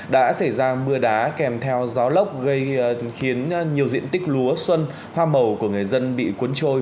đã xảy ra mưa đá kèm theo gió lốc gây khiến nhiều diện tích lúa xuân hoa màu của người dân bị cuốn trôi